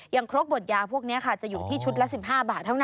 ครบบทยาพวกนี้ค่ะจะอยู่ที่ชุดละ๑๕บาทเท่านั้น